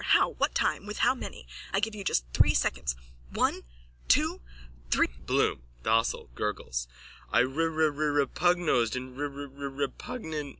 How? What time? With how many? I give you just three seconds. One! Two! Thr... BLOOM: (Docile, gurgles.) I rererepugnosed in rerererepugnant...